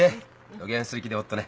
どげんする気でおっとね？